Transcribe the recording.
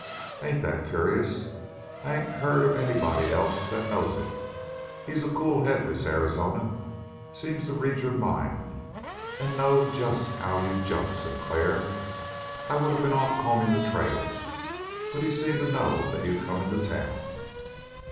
"Ain't that curious! I ain't heard of anybody else that knows it. He's a cool head, this Arizona. Seemed to read your mind and know jest how you'd jump, Sinclair. I would have been off combing the trails, but he seemed to know that you'd come into town."